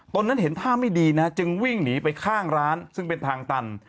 นั้นเห็นท่าไม่ดีนะจึงวิ่งหนีไปข้างร้านซึ่งเป็นทางตัน